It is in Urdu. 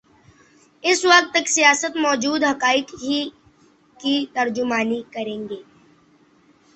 اس وقت تک سیاست موجود حقائق ہی کی ترجمانی کرے گی۔